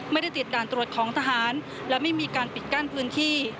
ไม่ได้ติดด่านตรวจของทหารและไม่มีการปิดกั้นพื้นที่